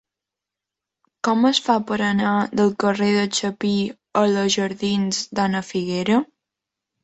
Com es fa per anar del carrer de Chapí a la jardins d'Ana Figuera?